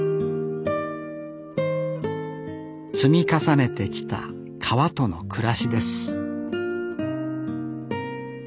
積み重ねてきた川との暮らしです